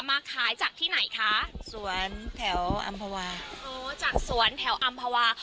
มาขายจากที่ไหนคะสวนแถวอำภาวาโอ้จากสวนแถวอำภาวา